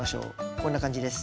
こんな感じです。